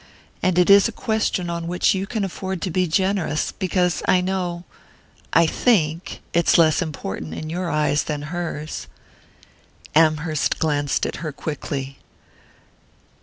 And it is a question on which you can afford to be generous, because I know...I think...it's less important in your eyes than hers...." Amherst glanced at her quickly.